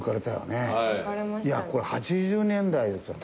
いやこれ８０年代ですよ